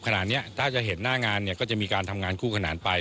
ขนาดนี้ถ้าจะเห็นหน้างานเนี่ยก็จะมีการทำงานคู่ขนานไป